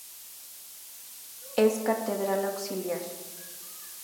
Es Catedral Auxiliar.